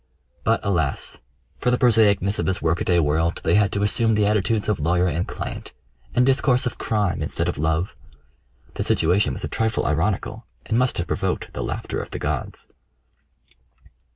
But, alas! for the prosaicness of this workaday world, they had to assume the attitudes of lawyer and client; and discourse of crime instead of love. The situation was a trifle ironical, and must have provoked the laughter of the gods.